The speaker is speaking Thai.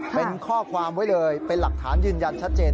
เป็นข้อความไว้เลยเป็นหลักฐานยืนยันชัดเจน